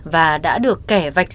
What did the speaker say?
và đã được kẻ vạch